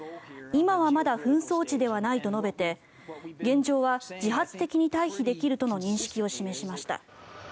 今はまだ紛争地ではないと述べて現状は自発的に退避できるとの認識を示しました。